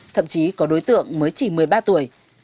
thậm chí có đối tượng mới